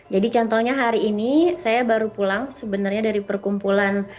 jadi contohnya hari ini saya baru pulang sebenarnya dari perkumpulan